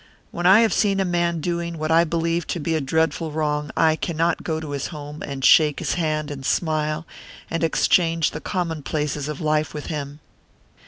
When I have seen a man doing what I believe to be a dreadful wrong, I cannot go to his home, and shake his hand, and smile, and exchange the commonplaces of life with him."